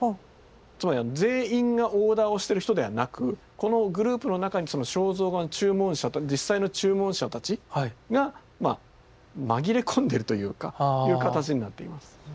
つまり全員がオーダーをしてる人ではなくこのグループの中にその肖像画の注文者実際の注文者たちが紛れ込んでるというかそういう形になっています。